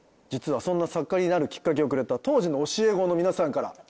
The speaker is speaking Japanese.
実はそんな作家になるきっかけをくれた当時の教え子の皆さんから。